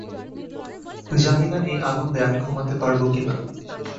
জানিনা এই আনন্দে আমি ঘুমাতে পারবো কিনা!